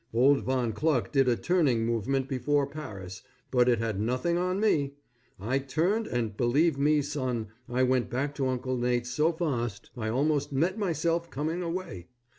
Old Von Kluck did a turning movement before Paris; but he had nothing on me. I turned and, believe me, son, I went back to Uncle Nate's so fast I almost met myself coming away.